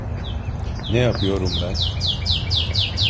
Ne yapıyorum ben?